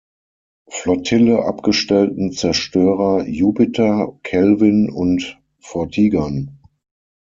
Flottille abgestellten Zerstörer "Jupiter", "Kelvin" und "Vortigern".